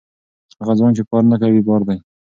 هغه ځوان چې کار نه کوي، بار دی.